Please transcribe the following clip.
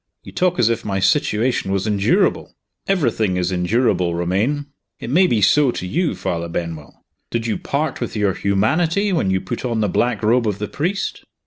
You talk as if my situation was endurable." "Everything is endurable, Romayne!" "It may be so to you, Father Benwell. Did you part with your humanity when you put on the black robe of the priest?"